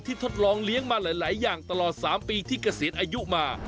ทดลองเลี้ยงมาหลายอย่างตลอด๓ปีที่เกษียณอายุมา